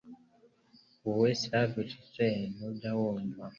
Wowe slavish swain ntujya wumva